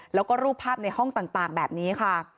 แล้วก็รูปภาพในห้องต่างแบบนี้ค่ะ